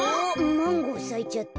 マンゴーさいちゃった。